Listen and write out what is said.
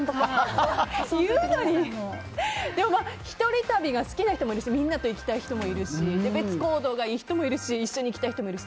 １人旅が好きな人もいるしみんなで行きたい人もいるし別行動がいい人もいるし一緒に行きたい人もいる。